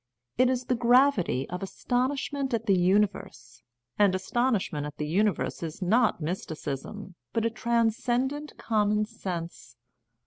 It is the gravity of astonishment at the universe, and as tonishment at the universe is not mysticism, but a transcendent common sense.